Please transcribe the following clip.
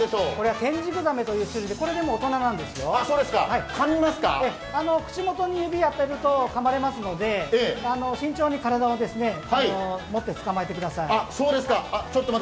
テンジクザメというサメで口元に指を当てるとかまれますので、慎重に体を持って捕まえてください。